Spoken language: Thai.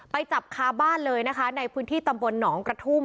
ไปจับค้าบ้านเลยนะคะในพื้นที่ตำบลหนองกระทุ่ม